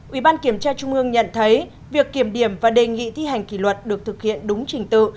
ủy ban kiểm tra trung ương nhận thấy việc kiểm điểm và đề nghị thi hành kỷ luật được thực hiện đúng trình tự